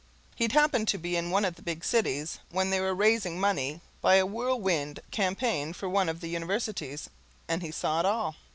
He'd happened to be in one of the big cities when they were raising money by a Whirlwind Campaign for one of the universities, and he saw it all.